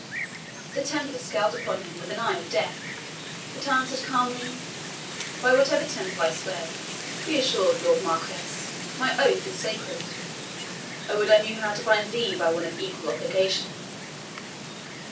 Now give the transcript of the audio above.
The Templar scowled upon him with an eye of death, but answered calmly, "By whatever Temple I swear, be assured, Lord Marquis, my oath is sacred. I would I knew how to bind THEE by one of equal obligation."